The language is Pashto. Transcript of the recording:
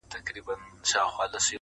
نه مي پل سي څوک په لاره کي میندلای-